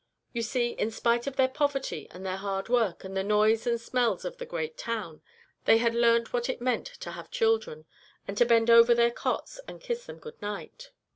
You see, in spite of their poverty and their hard work and the noise and smells of the great town, they had learnt what it meant to have children, and to bend over their cots and kiss them good night.